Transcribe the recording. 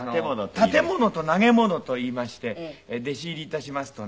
立て物と投げ物といいまして弟子入り致しますとね